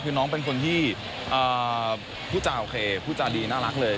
คือน้องเป็นคนที่พูดจาโอเคพูดจาดีน่ารักเลย